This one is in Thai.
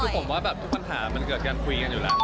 คือผมว่าแบบทุกปัญหามันเกิดการคุยกันอยู่แล้ว